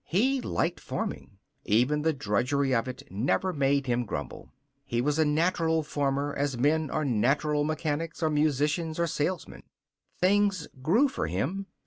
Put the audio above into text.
He liked farming. Even the drudgery of it never made him grumble. He was a natural farmer as men are natural mechanics or musicians or salesmen. Things grew for him.